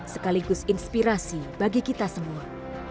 sekaligus inspirasi bagi kita semua